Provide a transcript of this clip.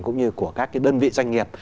cũng như của các đơn vị doanh nghiệp